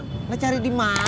nggak cari di mana